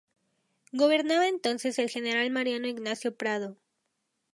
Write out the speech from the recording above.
Gobernaba entonces el general Mariano Ignacio Prado.